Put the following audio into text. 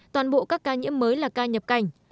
toàn bộ các ca nhiễm mới là ca nhập cảnh